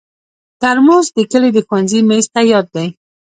ترموز د کلي د ښوونځي میز ته یاد دی.